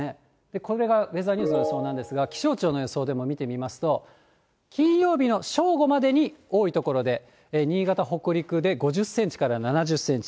これがウェザーニュースの予想なんですが、気象庁の予想でも見てみますと、金曜日の正午までの多い所で新潟、北陸で５０センチから７０センチ。